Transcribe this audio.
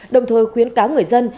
đồng thời khuyến cáo người dân